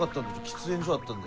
喫煙所あったんで。